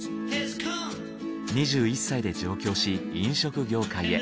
２１歳で上京し飲食業界へ。